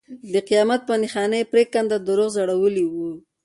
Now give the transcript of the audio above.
د قیامت په نښانه یې پرېکنده دروغ ځړولي وو.